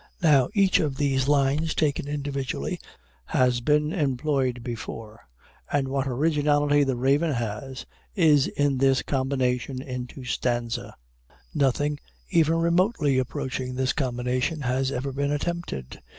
Now, each of these lines, taken individually, has been employed before, and what originality the "Raven" has, is in their combination into stanza; nothing even remotely approaching this combination has ever been attempted.